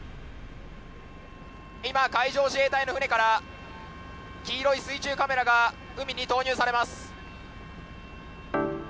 今、海上自衛隊の船から黄色い水中カメラが海に投入されます。